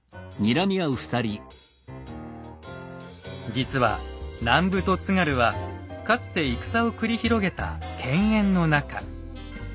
実は南部と津軽はかつて戦を繰り広げた犬猿の仲。